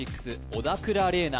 小田倉麗奈